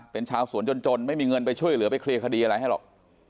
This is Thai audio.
เป็นชาวสวนจนไม่มีเงินไปช่วยเหลือไปเคลียร์คดีอะไรให้หรอก